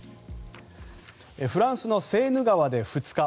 フランスのセーヌ川で２日